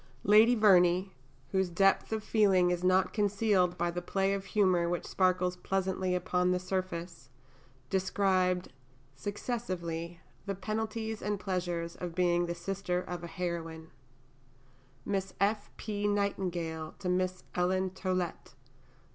Lady Verney, whose depth of feeling is not concealed by the play of humour which sparkles pleasantly upon the surface, described, successively, the penalties and the pleasures of being the sister of a heroine: (_Miss F. P. Nightingale to Miss Ellen Tollet.